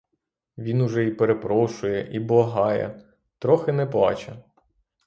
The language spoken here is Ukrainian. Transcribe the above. Він уже і перепрошує, і благає — трохи не плаче.